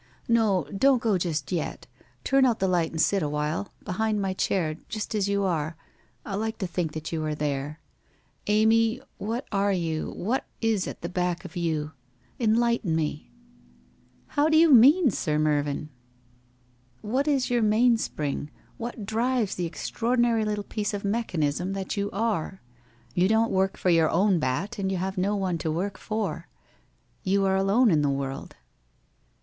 ' No, don't go just yet. Turn out the light and sit awhile — behind my chair, just as you are. I like to think that you are there. ... Amy, what are you, what is at the back of you ? Enlighten me !'' Bow do you mean, Sir Mervyn?' ' What is your mainspring — what drives the extraor dinary little piece of mechanism that you are? You don't work for your own bat, and you have no one to work for ? You are alone in the world.'